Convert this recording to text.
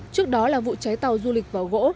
trước đó là vụ cháy tàu du lịch và gỗ